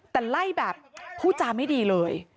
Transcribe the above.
แต่ไล่แบบพูดจาไม่ดีเลย